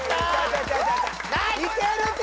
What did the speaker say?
いけるて！